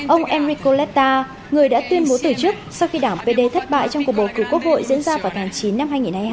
ông enricoletta người đã tuyên bố từ chức sau khi đảng pd thất bại trong cuộc bầu cử quốc hội diễn ra vào tháng chín năm hai nghìn hai mươi hai